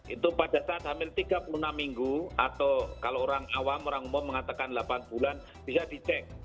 itu pada saat hamil tiga puluh enam minggu atau kalau orang awam orang umum mengatakan delapan bulan bisa dicek